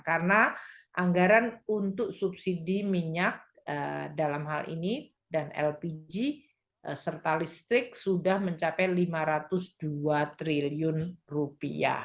karena anggaran untuk subsidi minyak dalam hal ini dan lpg serta listrik sudah mencapai lima ratus dua triliun rupiah